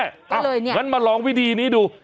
เอ้าหลังงั้นมาลองวิธีนี้ดู